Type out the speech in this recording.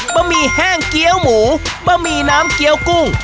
หมี่แห้งเกี้ยวหมูบะหมี่น้ำเกี้ยวกุ้ง